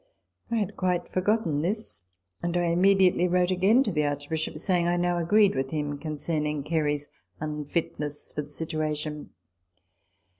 J I had quite forgotten this ; and I immediately wrote again to the Archbishop, saying that I now agreed with him concerning Gary's unfitness for the situation.